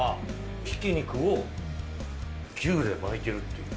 ひき肉を牛で巻いてるっていう。